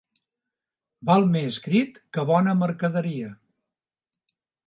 Val més crit que bona mercaderia.